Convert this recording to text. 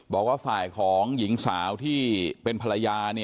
บอกว่าฝ่ายของหญิงสาวที่เป็นภรรยา